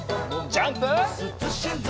ジャンプ！